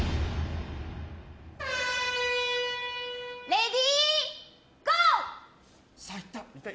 レディーゴー！